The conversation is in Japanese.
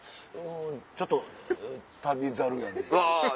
「ちょっと『旅猿』やねん」。